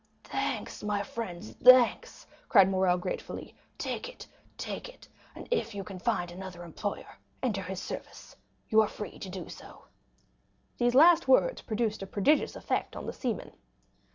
"Thanks, my friends, thanks!" cried Morrel gratefully; "take it—take it; and if you can find another employer, enter his service; you are free to do so." These last words produced a prodigious effect on the seaman.